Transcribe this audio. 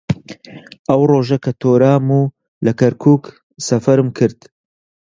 ئەو ڕۆژە کە تۆرام و لە کەرکووک سەفەرم کرد